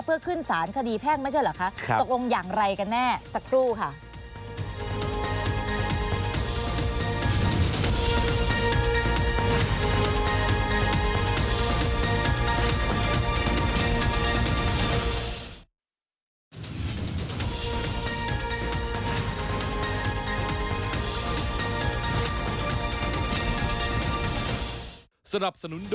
เพื่อขึ้นสารคดีแพ่งไม่ใช่เหรอคะตกลงอย่างไรกันแน่สักครู่ค่ะ